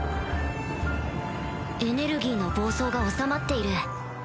エネルギーの暴走が収まっている